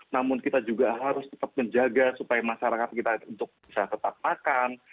namun kita juga harus tetap menjaga supaya masyarakat kita untuk bisa tetap makan